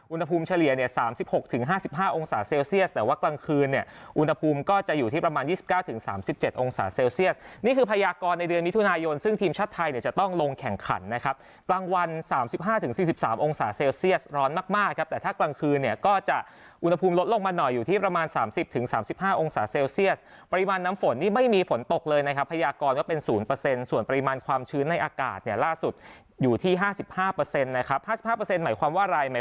อุณหภูมิเฉลี่ยเนี่ย๓๖๕๕องศาเซลเซียสแต่ว่ากลางคืนเนี่ยอุณหภูมิก็จะอยู่ที่ประมาณ๒๙๓๗องศาเซลเซียสนี่คือพยากรในเดือนมิถุนายนซึ่งทีมชาติไทยจะต้องลงแข่งขันนะครับกลางวัน๓๕๔๓องศาเซลเซียสร้อนมากครับแต่ถ้ากลางคืนเนี่ยก็จะอุณหภูมิลดลงมาหน่อยอยู่ที่ประมาณ๓๐๓๕องศาเซลเ